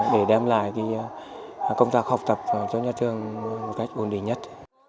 để đem lại công tác học tập cho nhà trường một cách ổn định nhất